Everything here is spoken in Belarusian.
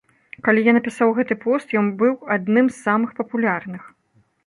Калі я напісаў гэты пост, ён быў адным з самых папулярных.